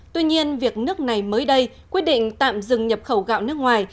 tuy nhiên việc nước này mới đây quyết định tạm dừng nhập khẩu gạo nước ngoài